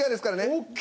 ＯＫ！